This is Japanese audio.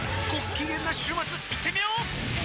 きげんな週末いってみよー！